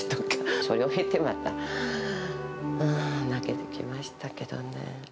それを見て、また泣けてきましたけどね。